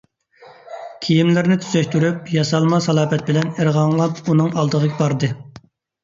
كىيىملىرىنى تۈزەشتۈرۈپ، ياسالما سالاپەت بىلەن ئىرغاڭلاپ ئۇنىڭ ئالدىغا باردى.